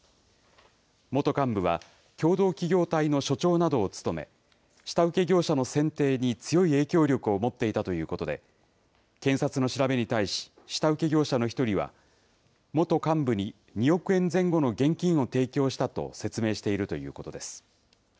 元幹部は共同企業体の所長などを務め、下請け業者の選定に強い影響力を持っていたということで、検察の調べに対し、下請け業者の一人は、元幹部に２億円前後の現金を提供したと説明しているということです。